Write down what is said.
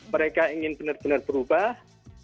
mereka ingin benar benar berubah